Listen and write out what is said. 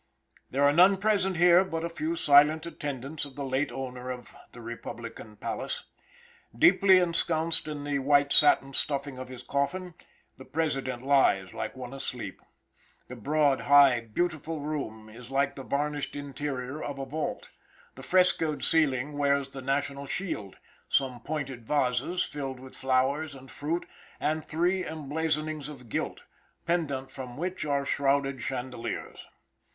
There are none present here but a few silent attendants of the late owner of the republican palace. Deeply ensconced in the white satin stuffing of his coffin, the President lies like one asleep. The broad, high, beautiful room is like the varnished interior of a vault. The frescoed ceiling wears the national shield, some pointed vases filled with flowers and fruit, and three emblazonings of gilt pendant from which are shrouded chandeliers.